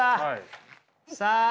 さあ。